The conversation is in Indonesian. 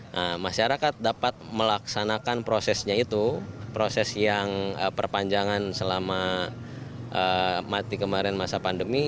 nah masyarakat dapat melaksanakan prosesnya itu proses yang perpanjangan selama mati kemarin masa pandemi